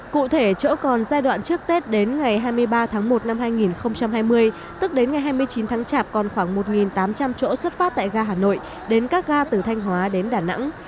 cụ thể chỗ còn giai đoạn trước tết đến ngày hai mươi ba tháng một năm hai nghìn hai mươi tức đến ngày hai mươi chín tháng chạp còn khoảng một tám trăm linh chỗ xuất phát tại ga hà nội đến các ga từ thanh hóa đến đà nẵng